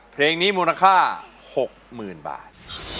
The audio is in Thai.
เพลงนี้มูลค่า๖๐๐๐บาท